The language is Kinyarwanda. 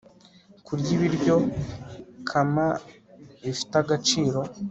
kurya ibiryo kama bifite agaciro